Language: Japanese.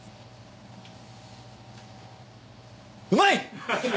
うまい！